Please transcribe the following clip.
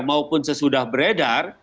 maupun sesudah beredar